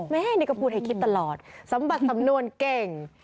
แม่นี่ก็พูดให้คิดตลอดสมบัติสำนวนเก่ง